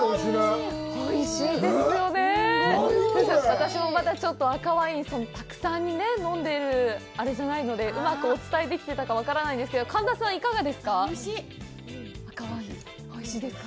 私もまだちょっと赤ワイン、たくさん飲んでいるあれじゃないので、うまくお伝えできてたか分からないんですけど、神田さん、いかがですか？